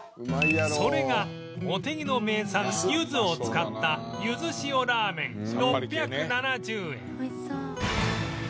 それが茂木の名産ゆずを使ったゆず塩らめん６７０円